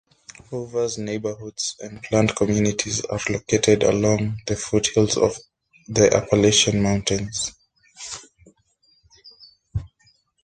Hoover's neighborhoods and planned communities are located along the foothills of the Appalachian Mountains.